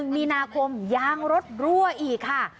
มีนาคมยางรถรั่วอีกค่ะ